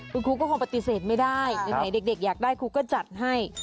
คุณครูก็คงปฏิเสธไม่ได้ไหนเด็กอยากได้ครูก็จัดให้